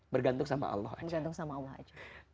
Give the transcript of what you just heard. bergantung sama allah saja